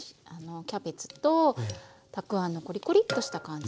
キャベツとたくあんのコリコリッとした感じが。